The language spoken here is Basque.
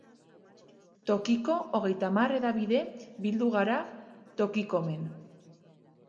Tokiko hogeita hamar hedabide bildu gara Tokikomen.